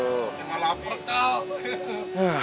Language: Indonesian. malah lapar cal